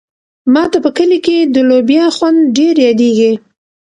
ما ته په کلي کې د لوبیا خوند ډېر یادېږي.